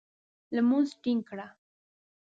لمونځ ټینګ کړه !